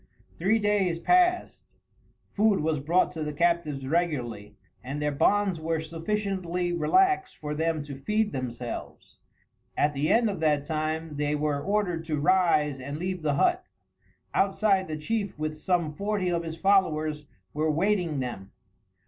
Three days passed, food was brought to the captives regularly, and their bonds were sufficiently relaxed for them to feed themselves. At the end of that time they were ordered to rise and leave the hut. Outside the chief with some forty of his followers were waiting them.